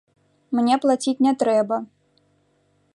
Мне плаціць не трэба.